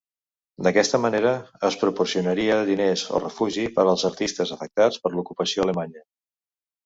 D’aquesta manera, es proporcionaria diners o refugi per als artistes afectats per l’ocupació alemanya.